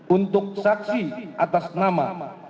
untuk saksi atas nama